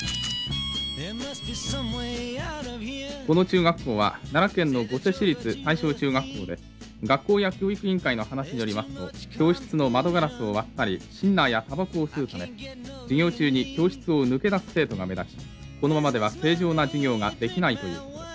この中学校は奈良県の御所市立大正中学校で学校や教育委員会の話によりますと教室の窓ガラスを割ったりシンナーやたばこを吸うため授業中に教室を抜け出す生徒が目立ちこのままでは正常な授業ができないという。